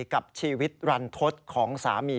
กับชีวิตรันทศของสามี